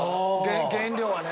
原料はね。